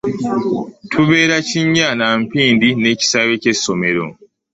Tubeera kinnya na mpindi ne kisaawe kye ssomero.